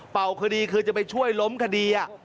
เป่าคดีคือจะไปช่วยล้มคดีอ่ะ